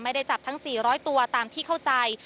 ไม่ได้จับทั้ง๔๐๐ตัวตามที่เข้าใจ